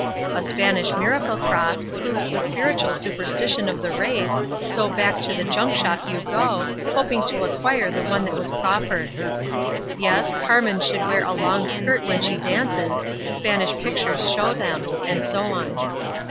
A Spanish miracle cross proves the spiritual superstition of the race, so back to the junk shop you go, hoping to acquire the one that was proffered. Yes, Carmen should wear a long skirt when she dances, Spanish pictures show them; and so on.